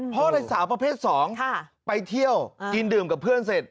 ในสาวประเภท๒ไปเที่ยวกินดื่มกับเพื่อนเสร็จ